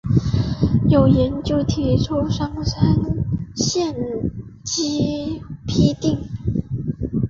有研究提出双三嗪基吡啶。